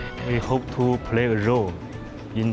saya berharap untuk mempelajari passtan ruang covid sembilan belas